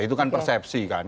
itu kan persepsi kan